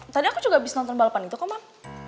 tadi aku juga abis nonton balapan itu kok mam